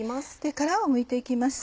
殻をむいて行きます。